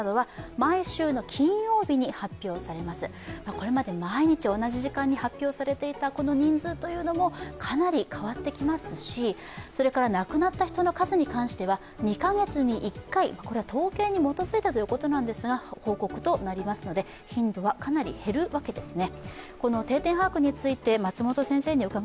これまで毎日同じ時間に発表されていたこの人数というのも、かなり変わってきますし、それから亡くなった人の数に関しては２か月に１回これは統計に基づいたということなんですが報告となりますので、頻度はかなり減るわけですね。